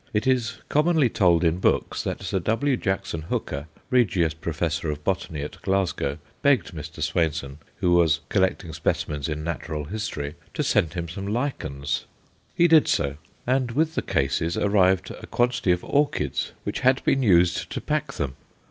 It is commonly told in books that Sir W. Jackson Hooker, Regius Professor of Botany at Glasgow, begged Mr. Swainson who was collecting specimens in natural history to send him some lichens. He did so, and with the cases arrived a quantity of orchids which had been used to pack them.